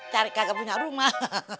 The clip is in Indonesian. tarik kagak punya rumah